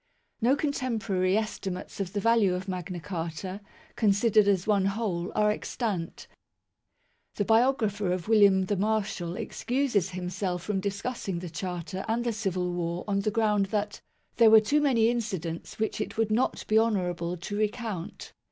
No contemporary estimates of the value of Magna Carta, considered as one whole, are extant. The biographer of William the Marshal excuses himself from discussing the Charter and the Civil War on the ground that " there were too many incidents which it would not be honourable to recount